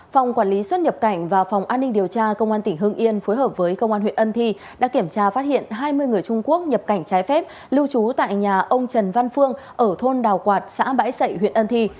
phòng quản lý xuất nhập cảnh và phòng an ninh điều tra công an tỉnh hương yên phối hợp với công an huyện ân thi đã kiểm tra phát hiện hai mươi người trung quốc nhập cảnh trái phép lưu trú tại nhà ông trần văn phương ở thôn đào quạt xã bãi sậy huyện ân thi